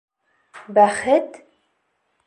Бәхет?